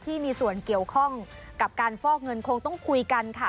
ที่มีส่วนเกี่ยวข้องกับการฟอกเงินคงต้องคุยกันค่ะ